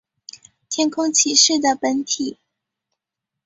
天空骑士的本体。